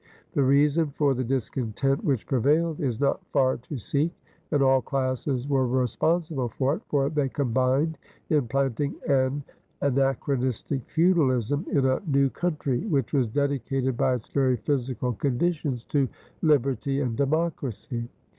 The reason for the discontent which prevailed is not far to seek, and all classes were responsible for it, for they combined in planting an anachronistic feudalism in a new country, which was dedicated by its very physical conditions to liberty and democracy.